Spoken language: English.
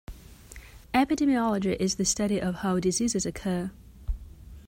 Epidemiology is the study of how diseases occur.